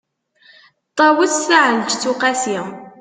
ṭawes taεelǧeţ uqasi